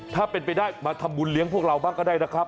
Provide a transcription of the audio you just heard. ถ้าเป็นไปได้มาทำบุญเลี้ยงพวกเราบ้างก็ได้นะครับ